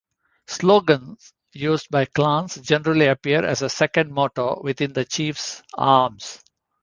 Slogans used by clans generally appear as a second motto within the chiefs arms.